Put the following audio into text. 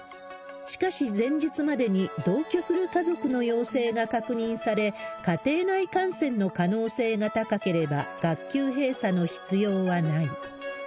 しかし、前日までに同居する家族の陽性が確認され、家庭内感染の可能性が高ければ、学級閉鎖の必要はない。